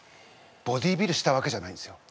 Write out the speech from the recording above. ボディービルしたわけじゃないんですよ。